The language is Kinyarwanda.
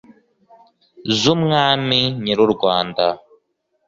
ZUmwami nyiri u Rwanda